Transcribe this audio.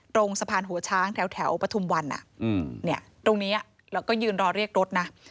ตรงสะพานหัวช้างแถวปฐุมวันตรงนี้แล้วก็ยืนรอเรียกรถนะ